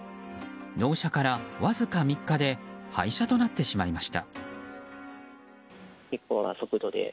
納車からわずか３日で廃車となってしまいました。